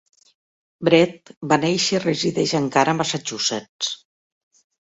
Brett va néixer i resideix encara a Massachusetts.